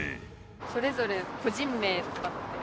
それぞれ個人名とかって。